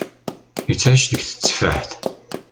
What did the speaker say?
Yettεic deg teteffaḥt.